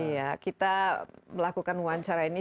iya kita melakukan wawancara ini